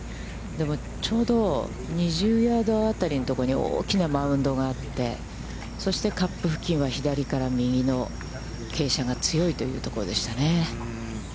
でも、ちょうど２０ヤードあたりのところに大きなマウンドがあって、そして、カップ付近は左から右の傾斜が強いというところでしたね。